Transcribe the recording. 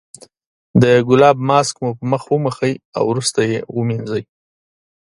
د ګلاب ماسک مو په مخ وموښئ او وروسته یې ومینځئ.